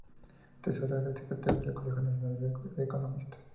Tesorero y Secretario del Colegio Nacional de Economistas.